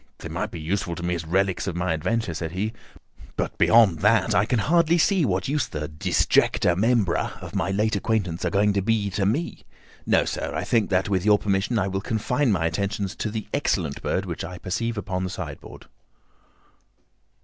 "They might be useful to me as relics of my adventure," said he, "but beyond that I can hardly see what use the disjecta membra of my late acquaintance are going to be to me. No, sir, I think that, with your permission, I will confine my attentions to the excellent bird which I perceive upon the sideboard."